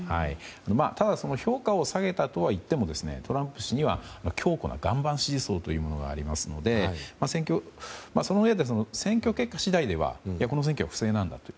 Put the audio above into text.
ただ、評価を下げたとはいってもトランプ氏には強固な岩盤支持層がありますのでそのうえで、選挙結果次第ではこの選挙は不正だったんだと。